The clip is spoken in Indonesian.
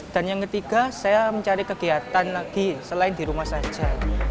dan yang ketiga saya mencari kegiatan lagi selain di rumah saja